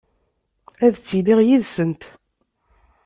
Ad ttiliɣ yid-sent.